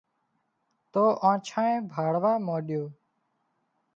تو آنڇانئي ڀاۯوا مانڏيو